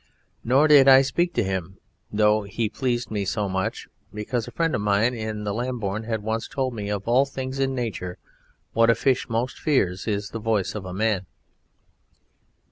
Nor did I speak to him, though he pleased me so much, because a friend of mine in Lambourne had once told me that of all things in Nature what a fish most fears is the voice of a man.